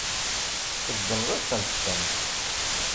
Tseggmeḍ-asent-ten.